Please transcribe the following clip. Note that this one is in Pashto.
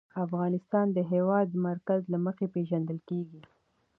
افغانستان د د هېواد مرکز له مخې پېژندل کېږي.